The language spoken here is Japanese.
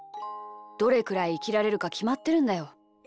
どれくらいいきられるかきまってるんだよ。